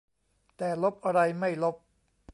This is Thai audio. แต่ลบอะไรไม่ลบ